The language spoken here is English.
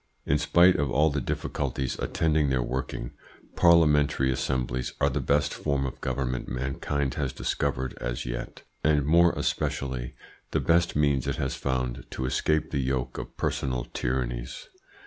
In spite of all the difficulties attending their working, parliamentary assemblies are the best form of government mankind has discovered as yet, and more especially the best means it has found to escape the yoke of personal tyrannies.